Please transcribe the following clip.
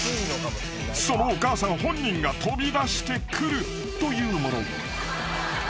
［そのお母さん本人が飛び出してくるというもの］